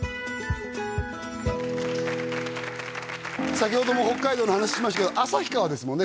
先ほども北海道の話しましたけど旭川ですもんね